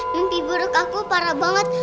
mimpi buruk aku parah banget